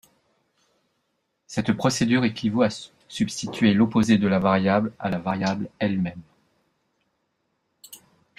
Cette procédure équivaut à substituer l'opposé de la variable à la variable elle-même.